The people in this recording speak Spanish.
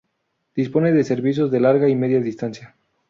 Dispone de servicios de Larga y Media Distancia.